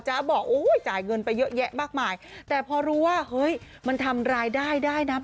บอกโอ้ยจ่ายเงินไปเยอะแยะมากมายแต่พอรู้ว่าเฮ้ยมันทำรายได้ได้นะ